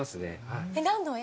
何の絵？